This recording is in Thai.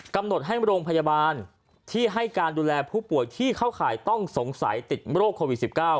กำหนดให้โรงพยาบาลที่ให้การดูแลผู้ป่วยที่เข้าข่ายต้องสงสัยติดโรคโควิด๑๙